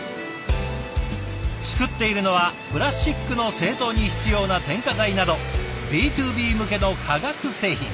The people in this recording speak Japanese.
作っているのはプラスチックの製造に必要な添加剤などＢｔｏＢ向けの化学製品。